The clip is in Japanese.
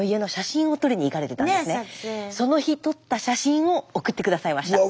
その日撮った写真を送って下さいました。